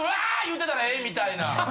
言うてたらええみたいな。